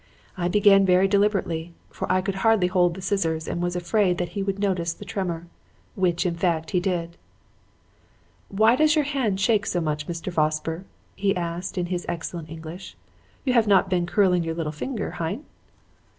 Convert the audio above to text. I began very deliberately, for I could hardly hold the scissors and was afraid that he would notice the tremor; which, in fact, he did. "'Why does your hand shake so much, Mr. Vosper?' he asked in his excellent English. 'You have not been curling your little finger, hein?'